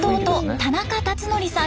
田中辰徳さん